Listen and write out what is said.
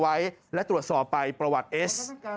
จริงซ้ำมีสูงดังนั้นก็เลยเอาเรื่องนี้มาร้องต่อสื่อมวลชนไว้